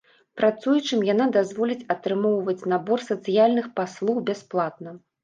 Працуючым яна дазволіць атрымоўваць набор сацыяльных паслуг бясплатна.